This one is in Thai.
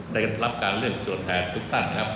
ได้รับการเลือกตัวแทนทุกท่านครับ